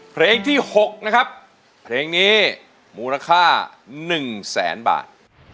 เพลงที่๖นะครับเพลงนี้มูลค่า๑แสนบาท